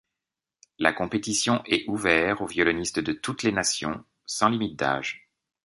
La compétition est ouvert aux violonistes de toutes les nations, sans limite d'âge.